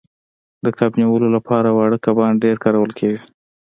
د کب نیولو لپاره واړه کبان ډیر کارول کیږي